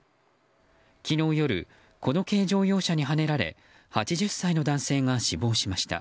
昨日夜、この軽乗用車にはねられ８０歳の男性が死亡しました。